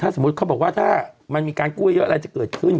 สมมุติเขาบอกว่าถ้ามันมีการกู้เยอะอะไรจะเกิดขึ้น